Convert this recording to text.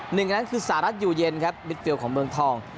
หนึ่งในนั้นคือสหรัฐอยู่เย็นครับมิดฟิลของเมืองทอง